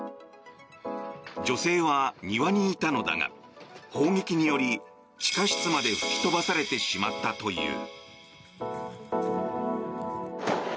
女性は庭にいたのだが砲撃により、地下室まで吹き飛ばされてしまったという。